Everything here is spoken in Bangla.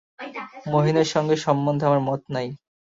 মহিনের সঙ্গে সম্বন্ধে আমার মত নাই।